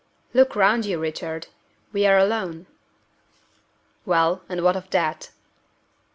"Look round you, Richard. We are alone." "Well and what of that?"